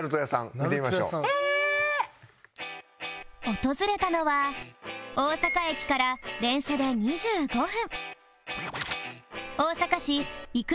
訪れたのは大阪駅から電車で２５分